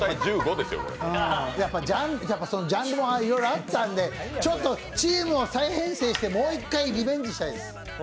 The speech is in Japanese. やっぱジャンルもいろいろあったんでちょっとチームを再編成してもう一回リベンジしたいです。